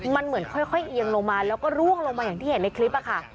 มันเหมือนค่อยเอียงลงมาแล้วก็ร่วงลงมาอย่างที่เห็นในคลิปค่ะ